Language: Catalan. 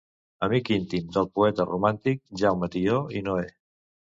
Amic íntim del poeta romàntic Jaume Tió i Noè.